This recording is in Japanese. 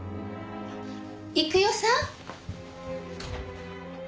幾代さん？